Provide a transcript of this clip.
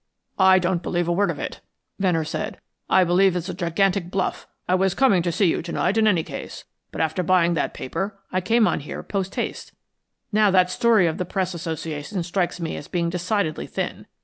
"I don't believe a word of it," Venner said. "I believe it's a gigantic bluff. I was coming to see you to night in any case, but after buying that paper I came on here post haste. Now that story of the Press Association strikes me as being decidedly thin.